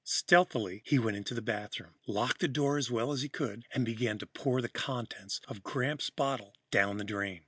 Stealthily, he went into the bathroom, locked the door as well as he could and began to pour the contents of Gramps' bottle down the drain.